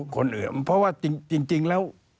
เพราะว่าจริงแล้ว